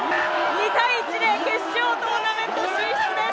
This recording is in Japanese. ２−１で決勝トーナメント進出です。